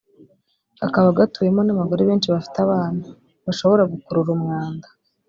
kakaba gatuwemo n’abagore benshi bafite abana (bashobora gukurura umwanda)